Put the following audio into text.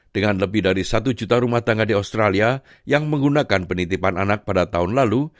dengan lebih dari satu juta rumah tangga di australia yang menggunakan penitipan anak pada tahun lalu